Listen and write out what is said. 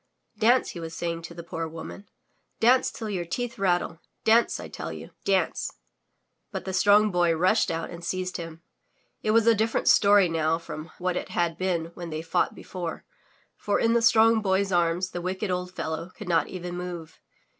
Dance!*' he was saying to the poor woman. Dance, till your teeth rattle! Dance, I tell you. Dance!" But the Strong Boy rushed out and seized him. It was a different story now from what it had been when they fought before, for in the Strong Boy*s arms the wicked old fellow could not even move.